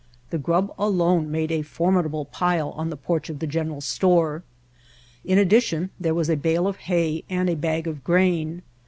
The grub alone made a formidable pile on the porch of the general store. In addition there was a bale of hay and a bag of grain.